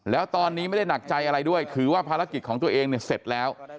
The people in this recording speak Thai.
แล้วตอนนี้ไม่ได้หนักใจอะไรด้วยถือว่าภารกิจของตัวเองเนี่ยเสร็จแล้ว